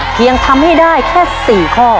เพียงทำให้ได้แค่๔ข้อ